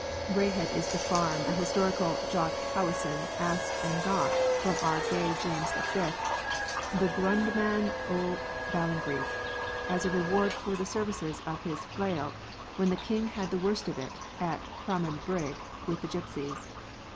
Braehead is the farm the historical Jock Howison asked and got from our gay James the Fifth, "the gudeman o' Ballengiech," as a reward for the services of his flail when the King had the worst of it at Cramond Brig with the gipsies.